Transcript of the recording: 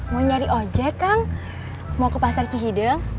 mau nyari ojek kang mau ke pasar cihideng